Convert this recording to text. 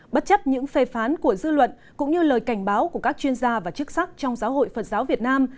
bất chấp những phê phán của dư luận cũng như lời cảnh báo của các chuyên gia và chức sắc trong giáo hội phật giáo việt nam